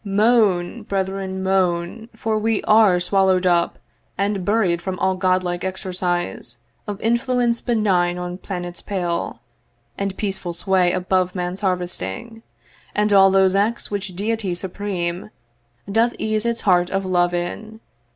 'Moan, brethren, moan; for we are swallow'd up 'And buried from all Godlike exercise 'Of influence benign on planets pale, 'And peaceful sway above man's harvesting, 'And all those acts which Deity supreme 'Doth ease its heart of love in.